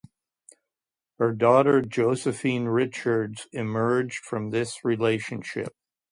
Her daughter Josephine Richards emerged from this relationship.